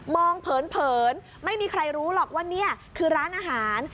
เผินไม่มีใครรู้หรอกว่านี่คือร้านอาหาร